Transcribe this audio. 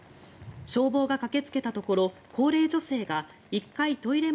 消防が駆けつけたところ高齢女性が１階トイレ